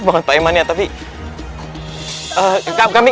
bukan pak iman ya tapi